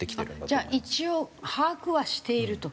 じゃあ一応把握はしていると？